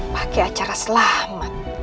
pakai acara selamat